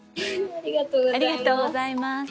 ありがとうございます。